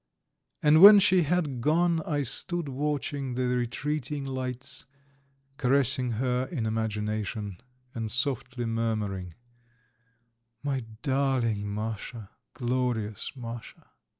And when she had gone I stood watching the retreating lights, caressing her in imagination and softly murmuring: "My darling Masha, glorious Masha.